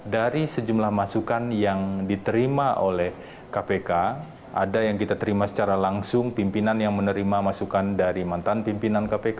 dari sejumlah masukan yang diterima oleh kpk ada yang kita terima secara langsung pimpinan yang menerima masukan dari mantan pimpinan kpk